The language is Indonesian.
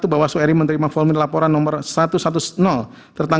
tujuh satu bahwa soeri menerima volume laporan nomor satu ratus sepuluh